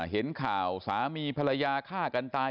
เห็นข่าวสามีภรรยาฆ่ากันตาย